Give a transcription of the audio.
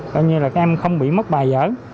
coi như là các em không bị mất bài giở